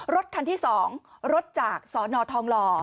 รถคันที่๒รถจากสนทองหล่อ